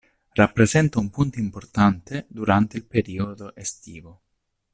Rappresenta un punto importante durante il periodo estivo.